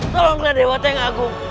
tolonglah dewata yang agung